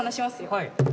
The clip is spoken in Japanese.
はい。